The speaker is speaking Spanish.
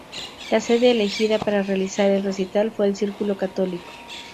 La sede elegida para realizar el recital fue el Círculo Católico.